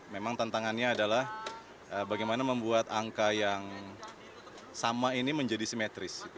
memang tantangannya adalah bagaimana membuat angka yang sama ini menjadi simetris